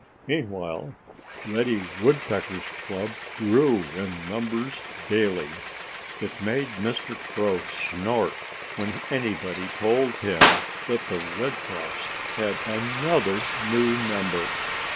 Meanwhile Reddy Woodpecker's club grew in numbers daily. It made Mr. Crow snort when anybody told him that The Redcaps had another new member.